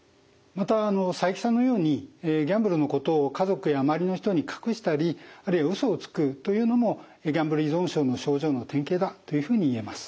また佐伯さんのようにギャンブルのことを家族や周りの人に隠したりあるいは嘘をつくというのもギャンブル依存症の症状の典型だというふうに言えます。